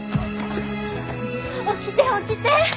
起きて起きて！